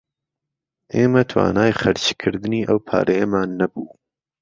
ئێمە توانای خەرچکردنی ئەو پارەیەمان نەبوو